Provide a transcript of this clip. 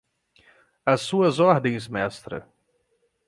Às suas ordens, mestra